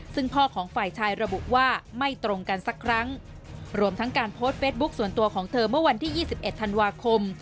ซึ่งพ่อของฝ่ายชายระบุว่าไม่ตรงกันสักครั้งรวมทั้งการโพสต์เฟสบุ๊คส่วนตัวของเธอเมื่อวันที่๒๑ธันวาคม